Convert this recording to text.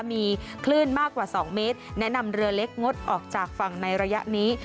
มีคลื่นมากกว่า๒เมตรแนะนำเรือเล็กงดออกจากฝั่งในระยะนี้